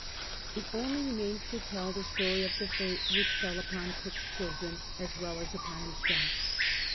It only remains' to tell the story of the fate which fell upon Cook's children as well as upon himself.